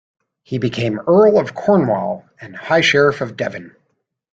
He became Earl of Cornwall and High Sheriff of Devon.